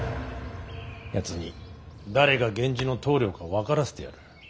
やつに誰が源氏の棟梁か分からせてやる。